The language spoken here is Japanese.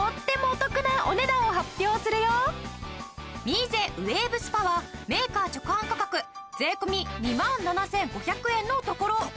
ミーゼウェーブスパはメーカー直販価格税込２万７５００円のところ。